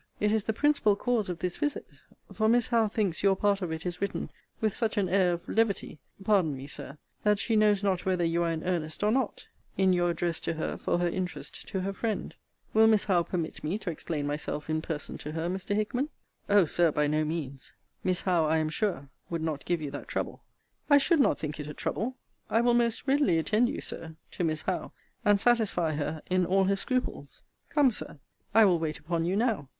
It is the principal cause of this visit: for Miss Howe thinks your part of it is written with such an air of levity pardon me, Sir that she knows not whether you are in earnest or not, in your address to her for her interest to her friend.* * See Mr. Lovelace's billet to Miss Howe, Letter XIV. of this volume. Will Miss Howe permit me to explain myself in person to her, Mr. Hickman? O Sir, by no means. Miss Howe, I am sure, would not give you that trouble. I should not think it a trouble. I will most readily attend you, Sir, to Miss Howe, and satisfy her in all her scruples. Come, Sir, I will wait upon you now.